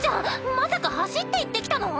まさか走って行ってきたの？